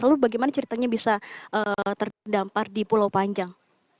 lalu bagaimana ceritanya bisa terdampar di pulau panjang